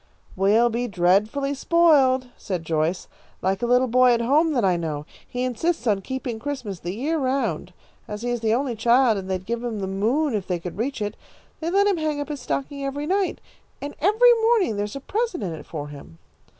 "We'll be dreadfully spoiled," said Joyce, "like a little boy at home that I know. He insists on keeping Christmas the year around. As he is the only child, and they'd give him the moon if they could reach it, they let him hang up his stocking every night, and every morning there is a present in it for him."